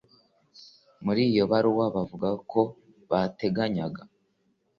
Muri iyo baruwa avuga ko bateganyaga